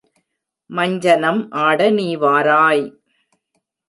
மஞ்சனம் ஆட நீ வாராய்!